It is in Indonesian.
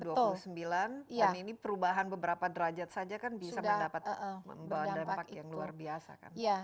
dan ini perubahan beberapa derajat saja kan bisa mendapatkan dampak yang luar biasa